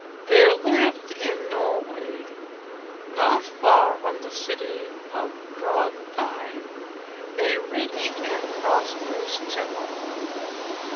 There lived in Norway, not far from the city of Drontheim, a rich and prosperous gentleman.